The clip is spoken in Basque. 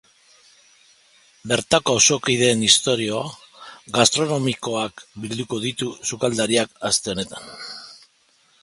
Bertako auzokideen istorio gastronomikoak bilduko ditu sukaldariak aste honetan.